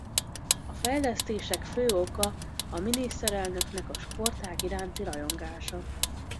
A fejlesztések fő oka a miniszterelnöknek a sportág iránti rajongása.